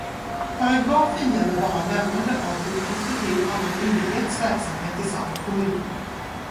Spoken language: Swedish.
Paragrafen gäller bara lämnande av uppgifter till annan myndighets verksamhet i samma kommun.